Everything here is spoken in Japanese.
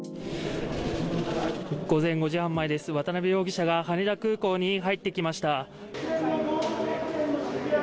午前５時半前です、渡辺容疑者が羽田空港に入ってきました。